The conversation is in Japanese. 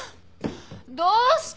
どうして。